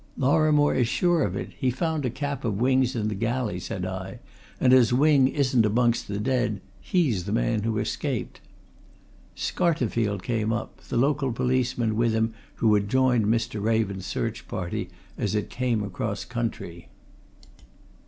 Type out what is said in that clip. "Lorrimore is sure of it he found a cap of Wing's in the galley," said I. "And as Wing isn't amongst the dead, he's the man who escaped." Scarterfield came up, the local policeman with him who had joined Mr. Raven's search party as it came across country.